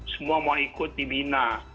semua mau ikut dibina